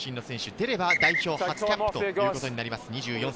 出れば代表初キャップということになります。